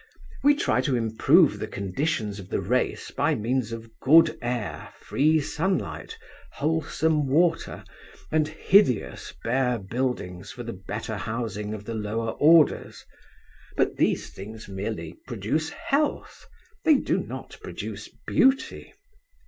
We try to improve the conditions of the race by means of good air, free sunlight, wholesome water, and hideous bare buildings for the better housing of the lower orders. But these things merely produce health, they do not produce beauty.